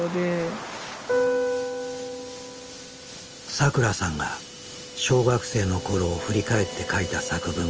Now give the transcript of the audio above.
さくらさんが小学生の頃を振り返って書いた作文がある。